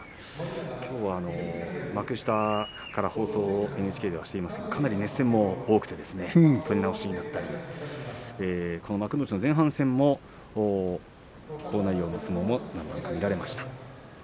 きょうは幕下から放送をＮＨＫではしていますけれどかなり熱戦が多くて取り直しになったり幕内の前半にも好内容の相撲が多く見られました。